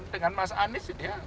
dengan mas anies ya